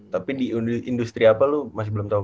tapi di industri apa lu masih belum tahu